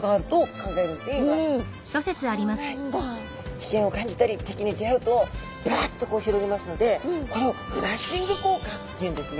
危険を感じたり敵に出会うとバッとこう広げますのでこれをフラッシング効果っていうんですね。